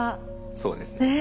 そうですね。